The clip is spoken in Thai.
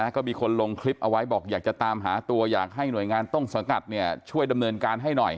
ก็มีคนลงคลิปเอาไว้บอกอยากจะตามหาตัวอยากให้หน่วยงานต้นสังกัดช่วยดำเนินการให้หน่อย